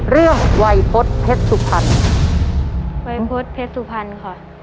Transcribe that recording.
เรื่องวัยพฤษเพชรสุพรรณวัยพฤษเพชรสุพรรณค่ะ